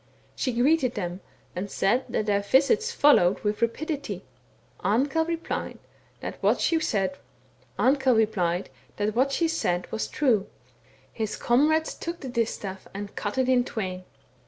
She greeted them and said that their visits followed with rapidity. Amkell replied that what she said was true. His comrades took the distaff and cut it in twain.